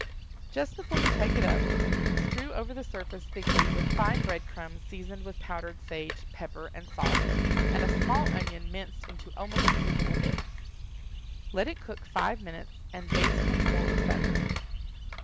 Just before you take it up, strew over the surface thickly with fine bread crumbs seasoned with powdered sage, pepper, and salt, and a small onion minced into almost invisible bits. Let it cook five minutes and baste once more with butter.